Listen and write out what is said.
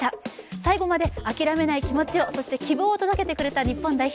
最後まで諦めない気持ちを、そして希望を届けてくれた日本代表。